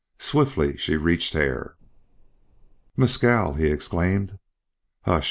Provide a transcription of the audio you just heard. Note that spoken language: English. Swiftly she reached Hare. "Mescal!" he exclaimed. "Hush!